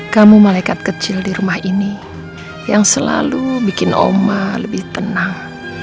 kamu malaikat kecil di rumah ini yang selalu bikin oma lebih tenang